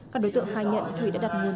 các đối tượng khai nhận thủy đã đặt nguồn